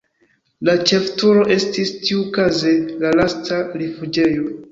La ĉefturo estis tiukaze la lasta rifuĝejo.